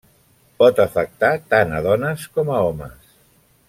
Pot afectar tant a dones com a homes.